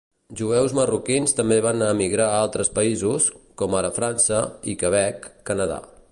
Jueus marroquins també van emigrar a altres països, com ara França i Quebec, Canadà.